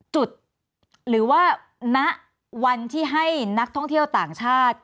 จุดหรือว่าณวันที่ให้นักท่องเที่ยวต่างชาติ